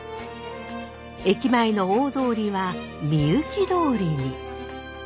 駅前の大通りは御幸通に。